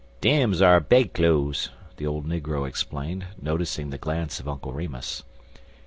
"Dem's our bedcloze," the old negro explained, noticing the glance of Uncle Remus.